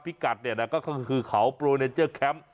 พิกัดก็คือเขาโปรเนเจอร์แคมป์